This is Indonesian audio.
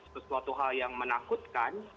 sesuatu hal yang menakutkan